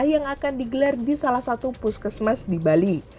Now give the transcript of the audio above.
yang akan digelar di salah satu puskesmas di bali